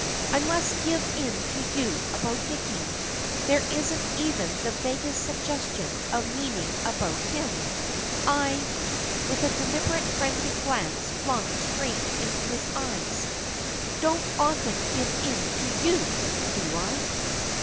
"I must give in to you about Dicky. There isn't even the vaguest suggestion of meaning about him. I " with a deliberate friendly glance flung straight into his eyes "don't often give in to you, do I?"